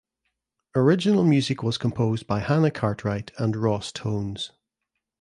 Original music was composed by Hannah Cartwright and Ross Tones.